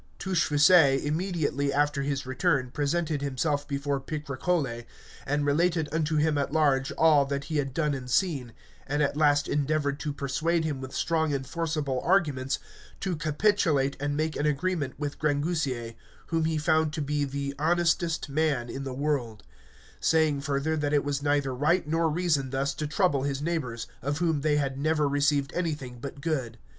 Touchfaucet immediately after his return presented himself before Picrochole, and related unto him at large all that he had done and seen, and at last endeavoured to persuade him with strong and forcible arguments to capitulate and make an agreement with Grangousier, whom he found to be the honestest man in the world; saying further, that it was neither right nor reason thus to trouble his neighbours, of whom they had never received anything but good.